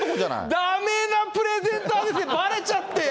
だめなプレゼンターですね、ばれちゃって。